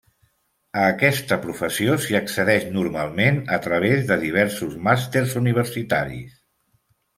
A aquesta professió s'hi accedeix normalment a través de diversos màsters universitaris.